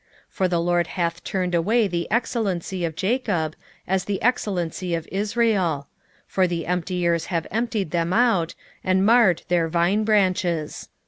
2:2 For the LORD hath turned away the excellency of Jacob, as the excellency of Israel: for the emptiers have emptied them out, and marred their vine branches.